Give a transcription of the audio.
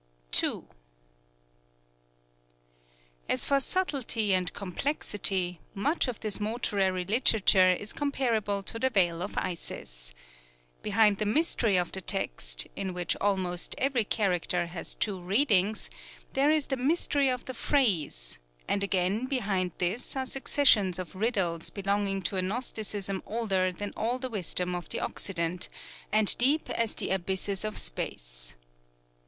II As for subtlety and complexity, much of this mortuary literature is comparable to the Veil of Isis. Behind the mystery of the text in which almost every character has two readings there is the mystery of the phrase; and again behind this are successions of riddles belonging to a gnosticism older than all the wisdom of the Occident, and deep as the abysses of Space.